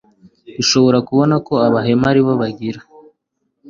dushobora kubona ko abahemu ari bo bagira